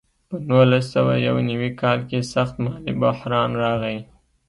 په نولس سوه یو نوي کال کې سخت مالي بحران راغی.